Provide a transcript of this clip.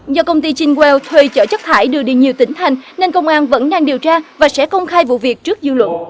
do công ty chin well thuê chở chất thải đưa đi nhiều tỉnh thành nên công an vẫn đang điều tra và sẽ công khai vụ việc trước dư luận